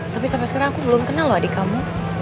tapi sampai sekarang aku belum kenal loh adik kamu